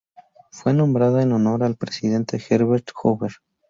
Fue nombrada en honor del presidente Herbert Hoover.